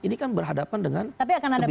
ini kan berhadapan dengan kebijakan pemerintah